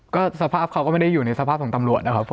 ก็สภาพเขาก็ไม่ได้อยู่ในสภาพของตำรวจนะครับผม